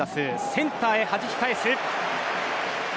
センターにはじき返した。